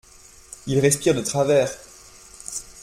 Il respire de travers.